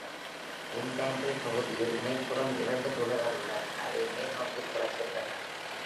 இன்பாண்டரி பகுதியில் மேற்புறம் இரண்டு துளைகள் உள்ளன, அவை மேல்நோக்கித் திறக்கின்றன.